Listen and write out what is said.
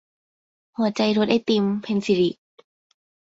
หัวใจรสไอติม - เพ็ญศิริ